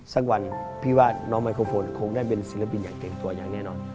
สักวันพี่ว่าน้องไมโครโฟนคงได้เป็นศิลปินอย่างเต็มตัวอย่างแน่นอน